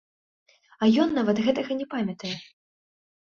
А ён нават гэтага не памятае.